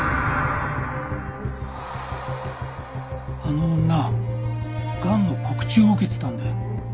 あの女がんの告知を受けてたんだよ。